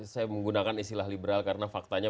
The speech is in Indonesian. saya menggunakan istilah liberal karena faktanya